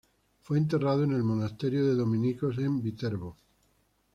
Fue enterrado en el monasterio de dominicos en Viterbo.